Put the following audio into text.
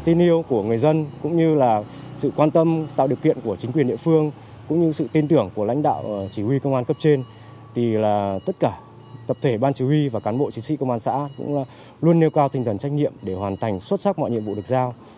tất cả tập thể ban chỉ huy và cán bộ chính sĩ công an xã luôn nêu cao tinh thần trách nhiệm để hoàn thành xuất sắc mọi nhiệm vụ được giao